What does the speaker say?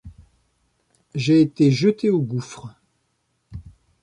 J’ai été jeté au gouffre.